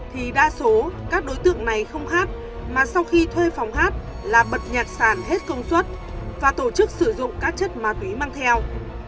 thì đa số các đối tượng này không hát mà sau khi thuê phòng hát là bật nhạt sàn hết công suất và tổ chức sử dụng các chất ma túy mang theo